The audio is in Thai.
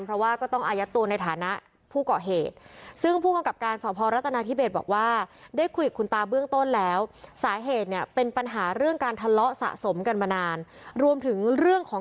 เพราะว่าก็ต้องอายัดตัวในฐานะผู้เกาะเหตุ